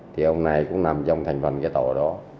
thì ông này cũng nằm trong thành phần cái tổ đó